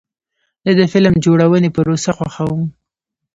زه د فلم جوړونې پروسه خوښوم.